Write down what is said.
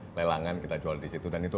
pelelangan kita jual disitu dan itu